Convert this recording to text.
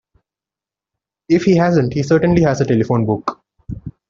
If he hasn't he certainly has a telephone book.